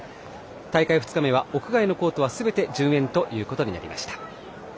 大会２日目は屋外のコートはすべて順延となりました。